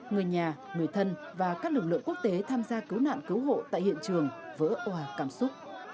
người nhà người thân và các lực lượng quốc tế tham gia cứu nạn cứu hộ tại hiện trường vỡ hòa cảm xúc